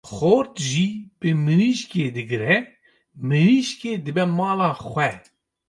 Xort jî bi mirîşkê digre, mirîşkê dibe mala xwe.